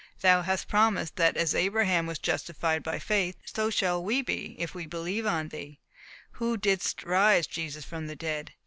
Thou hast promised, that as Abraham was justified by faith, so shall we be, if we believe on Thee, who didst raise Jesus from the dead.